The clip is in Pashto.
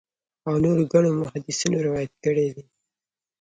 او نورو ګڼو محدِّثينو روايت کړی دی